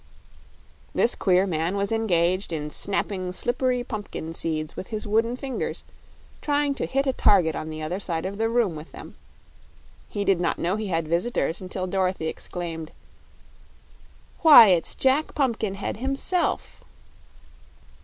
This queer man was engaged in snapping slippery pumpkin seeds with his wooden fingers, trying to hit a target on the other side of the room with them. He did not know he had visitors until Dorothy exclaimed: "Why, it's Jack Pumpkinhead himself!"